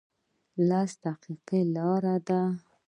لس دقیقې لاره ده